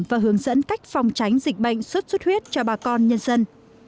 và hướng dẫn cách phòng tránh dịch bệnh xuất xuất huyết cho bà con nhân dân